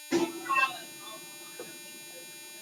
阿比伊。